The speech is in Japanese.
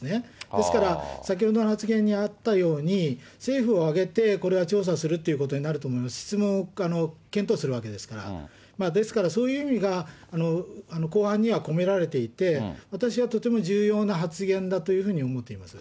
ですから、先ほどの発言にあったように、政府を挙げてこれは調査するっていうことになると思いますし、質問検討するわけですから、ですから、そういう意味が後半には込められていて、私はとても重要な発言だというふうに思っています。